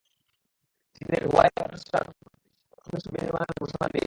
চীনের Huawei brothers star সম্প্রতি শিয়াওমির সঙ্গে ছবি নির্মাণের ঘোষণা দিয়েছে।